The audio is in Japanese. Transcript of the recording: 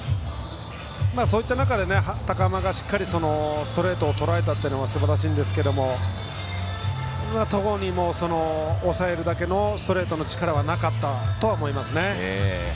そういった中で高濱がしっかりとストレートを捉えたというのすばらしいんですけれど戸郷にも抑えるだけのストレートの力はなかったと思いますね。